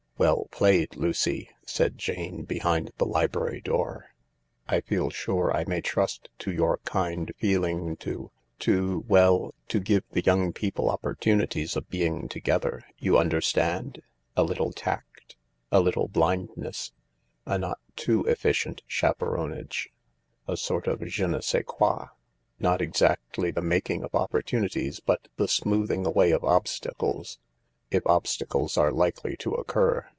" Well played, Lucy !" said Jane, behind the library door. " I feel sure I may trust to your kind feeling to— to well, to give the young people opportunities of being to gether—you understand ? A little tact— a helpful blindness —a not too efficient chaperonage— a sort of je ne sais quoi; THE LARK not exactly the making of opportunities, but the smoothing away of obstacles, if obstacles are likely to occur.